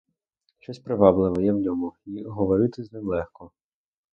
Щось привабливе є в ньому, і говорити з ним легко.